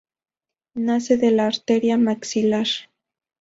Nace de la arteria maxilar.